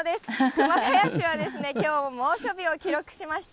熊谷市はきょうも猛暑日を記録しました。